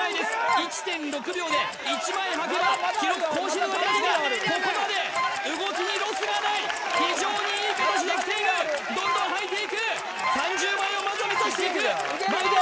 １．６秒で１枚はけば記録更新を大丈夫大丈夫ここまで動きにロスがない非常にいい形できているどんどんはいていく３０枚をまずは目指していくいける